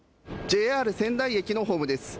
仙台駅のホームです。